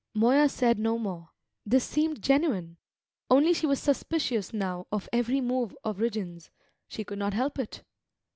Moya said no more. This seemed genuine. Only she was suspicious now of every move of Rigden's; she could not help it.